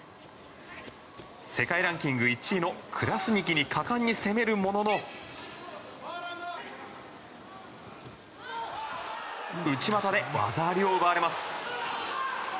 世界ランキング１位のクラスニキに果敢に攻めるものの内股で技ありを奪われます。